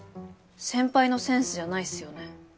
先輩のセンスじゃないっすよね。